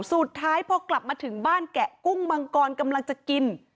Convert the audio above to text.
สุดท้ายพอกลับมาถึงบ้านแกะกุ้งมังกรกำลังจะกิน